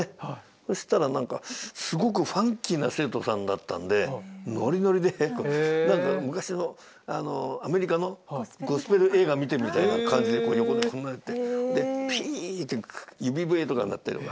そしたら何かすごくファンキーな生徒さんだったんでノリノリでこう何か昔のアメリカのゴスペル映画見てるみたいな感じで横でこんなやってでピ！って指笛とか鳴ったりとか。